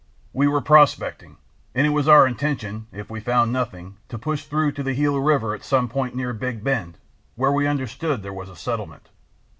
We were prospecting and it was our intention, if we found nothing, to push through to the Gila river at some point near Big Bend, where we understood there was a settlement.